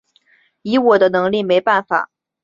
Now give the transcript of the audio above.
以我的能力没办法